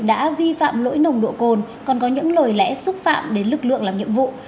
đã vi phạm lỗi nồng độ cồn còn có những lời lẽ xúc phạm đến lực lượng làm nhiệm vụ